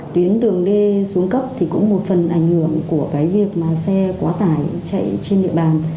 tuyến đường d xuống cấp thì cũng một phần ảnh hưởng của cái việc mà xe quá tải chạy trên địa bàn